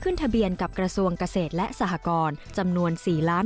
ขึ้นทะเบียนกับกระสวงกระเศษและสหกรจำนวนสี่ล้าน